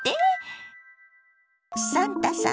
サンタさん